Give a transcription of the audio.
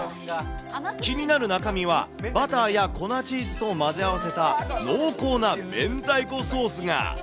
気になる中身は、バターや粉チーズと混ぜ合わせた、濃厚な明太子ソースが。